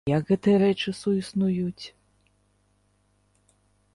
Як гэтыя рэчы суіснуюць?